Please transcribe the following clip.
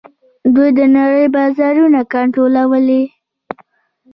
دوی د نړۍ بازارونه کنټرولوي.